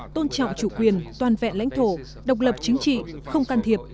tôn trọng chủ quyền toàn vẹn lãnh thổ độc lập chính trị không can thiệp